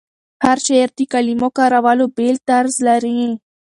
هر شاعر د کلمو کارولو بېل طرز لري.